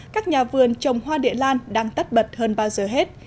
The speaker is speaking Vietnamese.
các nhà vườn trồng hoa địa lan đang tất bật hơn bao giờ hết